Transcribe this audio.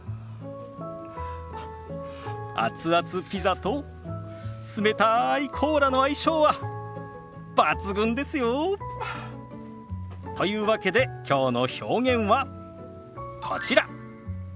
熱々ピザと冷たいコーラの相性は抜群ですよ。というわけできょうの表現はこちら。